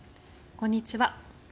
こんにちは。